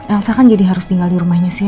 elsa kan jadi harus tinggal di rumahnya sih